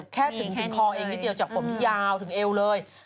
แค่ถึงคอเองนิดเดียวจากผมที่ยาวถึงเอวเลย